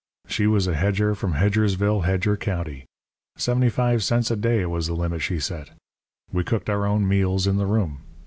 She was a hedger from Hedgersville, Hedger County. Seventy five cents a day was the limit she set. We cooked our own meals in the room.